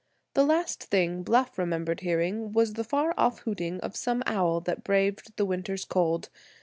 The last thing Bluff remembered hearing was the far off hooting of some owl that braved the winter's cold.